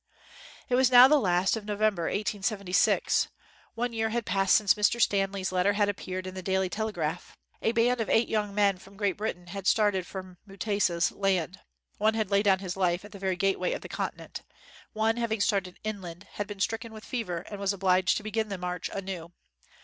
It was now the last of November, 1876. One year had passed since Mr. Stanley's let ter had appeared in the Daily Telegraph. A band of eight young men from Great Britain had started for Mutesa 's land. One had laid down his life at the very gateway of the continent. One having started inland had been stricken with fever and was obliged to begin the march anew.